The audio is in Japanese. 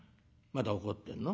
まだ怒ってんの？」。